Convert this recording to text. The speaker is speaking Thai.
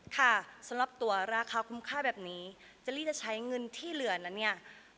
ค่ะสำหรับตัวราคาคุ้มค่าแบบนี้เจลลี่จะใช้เงินที่เหลือนั้นเนี่ย